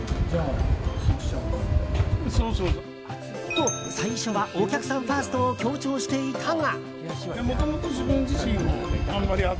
と、最初はお客さんファーストを強調していたが。